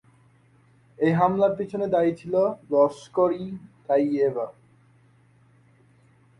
এই হামলার পিছনে দায়ী ছিল লস্কর-ই-তাইয়েবা।